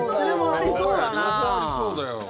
両方ありそうだよ。